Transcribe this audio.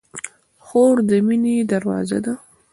خور د مینې دروازه ده.